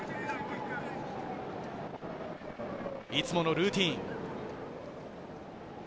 いつものルーティーン。